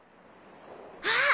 あっ